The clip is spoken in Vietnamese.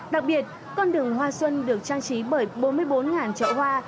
đặc biệt con đường hoa xuân được trang trí bởi bốn mươi bốn ngàn chợ hoa